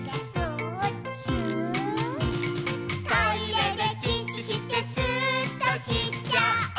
「トイレでチッチしてスーっとしちゃお！」